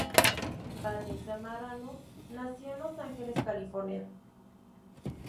Vanessa Marano nació en Los Angeles, California.